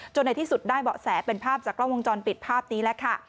ในที่สุดได้เบาะแสเป็นภาพจากกล้องวงจรปิดภาพนี้แหละค่ะ